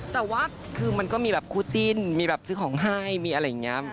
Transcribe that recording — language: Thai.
แต่ว่าคือมันก็มีแบบคู่จิ้นมีแบบซื้อของให้มีอะไรอย่างนี้